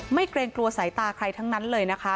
เกรงกลัวสายตาใครทั้งนั้นเลยนะคะ